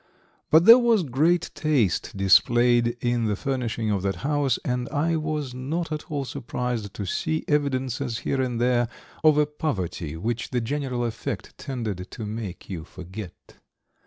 But there was great taste displayed in the furnishing of that house, and I was not at all surprised to see evidences here and there of a poverty which the general effect tended to make you forget.